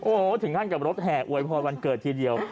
โอ้โหถึงขั้นกับรถแห่อวยพรวันเกิดทีเดียว